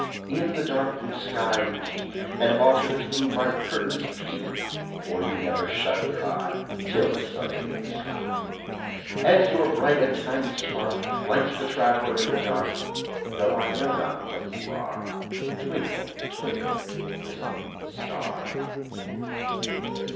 In the dark blue sky you keep, And often through my curtains peep. For you never shut your eye Till the sun is in the sky. And your bright and tiny spark Lights the traveler in the dark; Though I know not what you are, Twinkle, twinkle, little star.